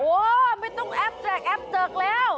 ไม่ต้องแอปแจกแอปเจิกแล้ว